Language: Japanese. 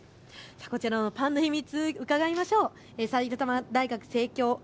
こちらのパンの秘密、伺いましょう。